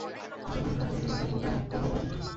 যে কোন কাজে এই জীবন ব্যয় করতে আমার কোন ওযর আপত্তি নেই।